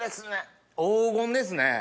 黄金ですね。